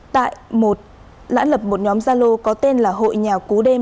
tại lãn lập một nhóm gia lô có tên là hội nhà cú đêm